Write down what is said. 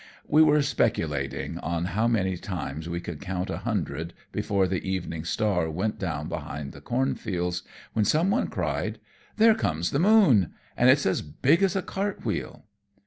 We were speculating on how many times we could count a hundred before the evening star went down behind the corn fields, when some one cried, "There comes the moon, and it's as big as a cart wheel!"